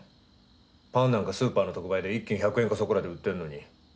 パンなんかスーパーの特売で１斤１００円かそこらで売ってるのに。